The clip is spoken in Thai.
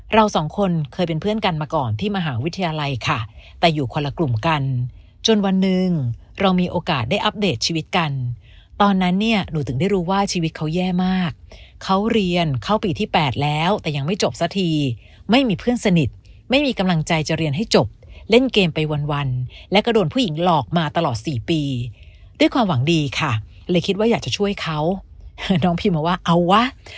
เราสองคนเคยเป็นเพื่อนกันมาก่อนที่มหาวิทยาลัยค่ะแต่อยู่คนละกลุ่มกันจนวันหนึ่งเรามีโอกาสได้อัปเดตชีวิตกันตอนนั้นเนี่ยหนูถึงได้รู้ว่าชีวิตเขาแย่มากเขาเรียนเข้าปีที่๘แล้วแต่ยังไม่จบสักทีไม่มีเพื่อนสนิทไม่มีกำลังใจจะเรียนให้จบเล่นเกมไปวันและก็โดนผู้หญิงหลอกมาตลอด๔ปีด้วยความหวังดีค่ะเลยคิดว่าอยากจะช่วยเขาน้องพิมบอกว่าเอาวะ